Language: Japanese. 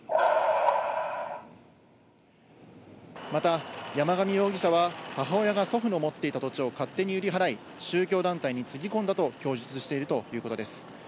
また山上容疑者は母親が祖父の持っていた土地を勝手に売り払い、宗教団体につぎ込んだと供述しているということです。